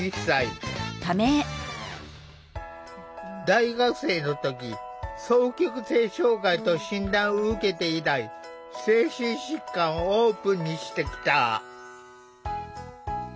大学生の時双極性障害と診断を受けて以来精神疾患をオープンにしてきた。